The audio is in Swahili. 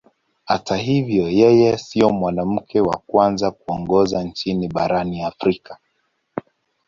Hata hivyo yeye sio mwanamke wa kwanza kuongoza nchi barani Afrika.